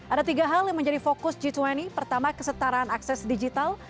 ada tiga hal yang menjadi fokus g dua puluh pertama kesetaraan akses digital